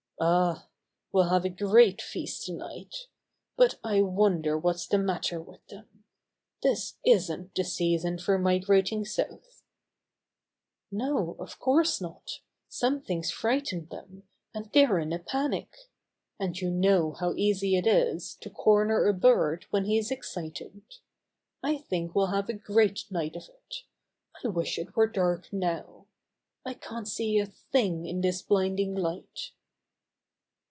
"Ah! We'll have a great feast tonight. But I wonder what's the matter with them. This isn't the season for migrating south." "No, of course not. Something's fright ened them, and they're in a panic. And you know how easy it is to corner a bird when he's Bobby Has a Narrow Escape 111 excited. I think we'll have a great night of it. I wish it were dark now. I can't see a thing in this blinding light."